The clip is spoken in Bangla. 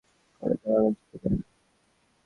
মিসেস ব্রীড প্রথমে আমায় এক কড়া ঝাঁঝালো চিঠি দেন।